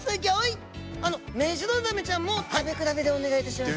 メジロザメちゃんも食べ比べでお願いいたします。